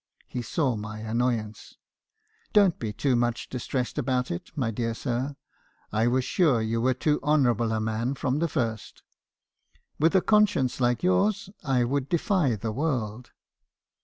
He saw my annoyance. " 'Don't be too much distressed about it, my dear sir; I was sure you were too honourable a man, from the first. With a conscience like yours, I would defy the world.'